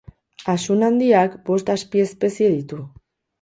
Asun handiak bost azpiespezie ditu.